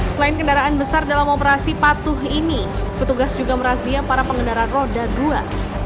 selain kendaraan besar dalam operasi patuh ini petugas juga merazia para pengendara roda dua